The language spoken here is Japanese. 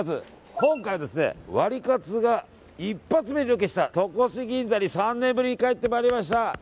今回ワリカツが一発目にロケした戸越銀座に３年ぶりに帰ってまいりました。